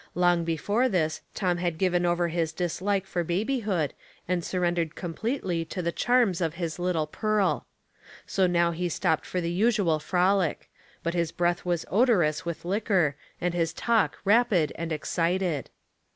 Long before this Tom had given over his dislike for baby hood and surrendered completely to the charms of his little pearl. So now he stopped for the usual frolic ; but his breath was odorous with liquor, and his talk rapid and excited.